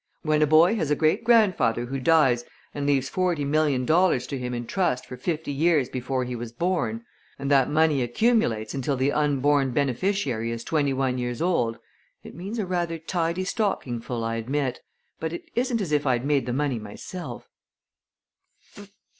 "When a boy has a great grandfather who dies and leaves forty million dollars to him in trust for fifty years before he was born, and that money accumulates until the unborn beneficiary is twenty one years old, it means a rather tidy stockingful, I admit, but it isn't as if I'd made the money myself."